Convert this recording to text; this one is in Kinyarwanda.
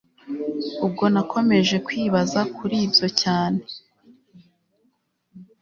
ubwo nakomeje kwibaza kuribyo cyane